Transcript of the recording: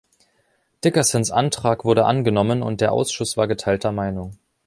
Dickersons Antrag wurde angenommen und der Ausschuss war geteilter Meinung.